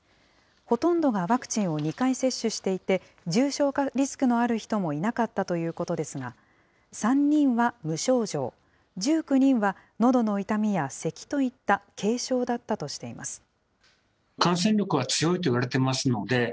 ほとんどがワクチンを２回接種していて、重症化リスクのある人もいなかったということですが、３人は無症状、１９人はのどの痛みやせきといった軽症だったとしています。